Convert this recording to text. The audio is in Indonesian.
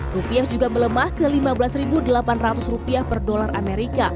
rupiah juga melemah ke lima belas delapan ratus per dolar amerika